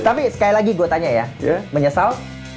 tapi sekali lagi gue tanya ya menyesal